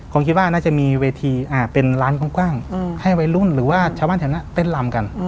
ผมคิดว่าน่าจะมีเวทีเป็นร้านกว้างให้วัยรุ่นหรือว่าชาวบ้านแถวนั้นเต้นลำกัน